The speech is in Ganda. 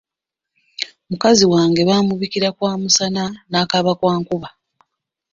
Mukazi wange bamubikira kwa musana n'akaaba kwa nkuba.